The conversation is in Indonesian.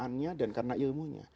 karena keagamaan dan karena ilmunya